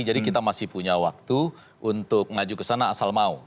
jadi kita masih punya waktu untuk ngajuk ke sana asal mau